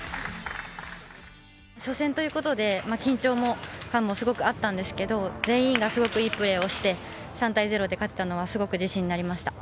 初戦ということで、緊張感もすごくあったんですけど、全員がすごくいいプレーをして、３対０で勝てたのは、すごく自信になりました